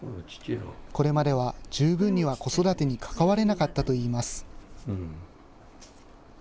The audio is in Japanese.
これまでは十分には子育てに関われなかったといいます。